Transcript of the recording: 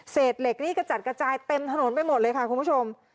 เหล็กนี่กระจัดกระจายเต็มถนนไปหมดเลยค่ะคุณผู้ชม